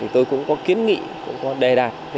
tôi cũng có kiến nghị cũng có đề đạt